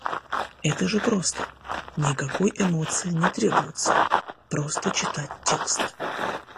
Это же просто, никакой эмоции не требуется, просто читать текст.